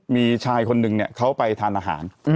มีชายคนนึงเนี่ยเขาไปทานอาหาร